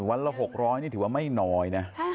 วันละ๖๐๐นี่ถือว่าไม่น้อยนะ